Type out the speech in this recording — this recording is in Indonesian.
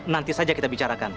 nanti saja kita bicarakan